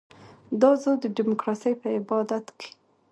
دا زور د ډیموکراسۍ په عبادت کې.